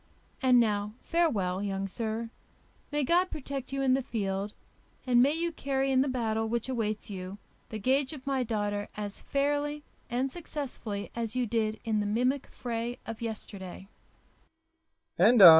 And now, farewell, young sir. May God protect you in the field, and may you carry in the battle which awaits you the gage of my daughter as fairly and successfully as you did in the mimic fray of yesterday!"